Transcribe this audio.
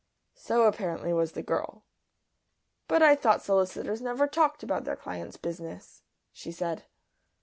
So apparently was the girl. "But I thought solicitors never talked about their clients' business," she said.